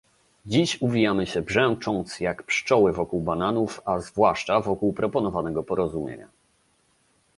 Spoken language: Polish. Dziś uwijamy się brzęcząc jak pszczoły wokół bananów, a zwłaszcza wokół proponowanego porozumienia